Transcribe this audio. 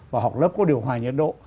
và học lớp có điều hoài nhiệt độ